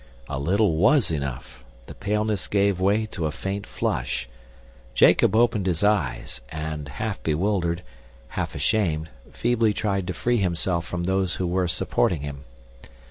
A little WAS enough. The paleness gave way to a faint flush. Jacob opened his eyes, and, half bewildered, half ashamed, feebly tried to free himself from those who were supporting him.